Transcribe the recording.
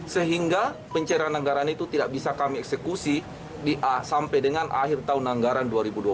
sehingga pencairan anggaran itu tidak bisa kami eksekusi sampai dengan akhir tahun anggaran dua ribu dua puluh